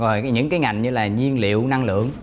rồi những cái ngành như là nhiên liệu năng lượng